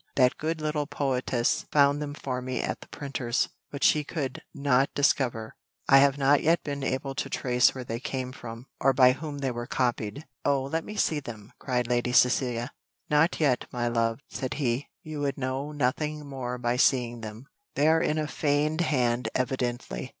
That good little poetess found them for me at the printer's but she could not discover I have not yet been able to trace where they came from, or by whom they were copied." "O let me see them," cried Lady Cecilia. "Not yet, my love," said he; "you would know nothing more by seeing them; they are in a feigned hand evidently."